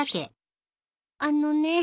あのね